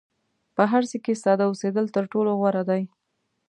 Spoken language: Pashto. په هر څه کې ساده اوسېدل تر ټولو غوره دي.